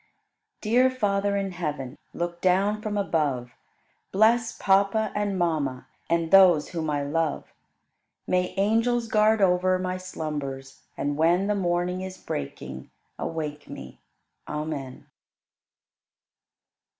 21. Dear Father in heaven, Look down from above; Bless papa and mama, And those whom I love. May angels guard over My slumbers, and when The morning is breaking, Awake me. Amen.